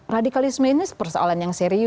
radikalisme ini persoalan yang serius